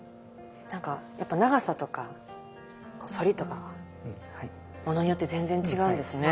なんか長さとか反りとかものによって全然違うんですね。